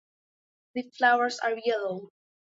The flowers are yellow.